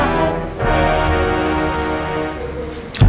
ya aku ngerti kau maksudnya